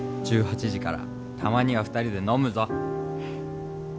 「１８時からたまには二人で飲むぞ！」